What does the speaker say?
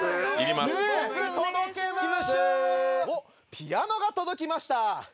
ピアノが届きました。